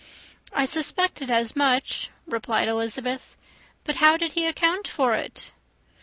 "I suspected as much," replied Elizabeth. "But how did he account for it?"